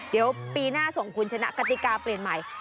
เดี๋ยวปีหน้าส่งคุณชนะกติกาเปลี่ยนใหม่